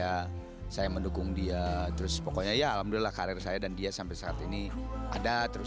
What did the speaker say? hai saya mendukung dia terus pokoknya alhamdulillah karir saya dan dia sampai saat ini ada terus